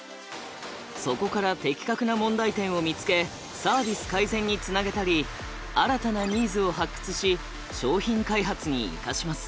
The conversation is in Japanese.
そこから的確な問題点を見つけサービス改善につなげたり新たなニーズを発掘し商品開発に生かします。